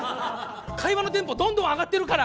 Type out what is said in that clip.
会話のテンポどんどん上がってるから！